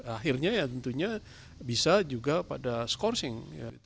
akhirnya ya tentunya bisa juga pada scourcing